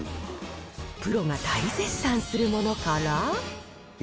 プロが大絶賛するものから。